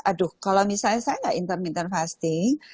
aduh kalau misalnya saya tidak intermittent fasting